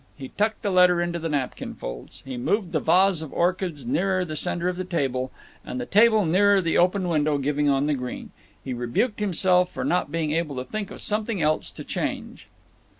He tucked the letter into the napkin folds. He moved the vase of orchids nearer the center of the table, and the table nearer the open window giving on the green. He rebuked himself for not being able to think of something else to change.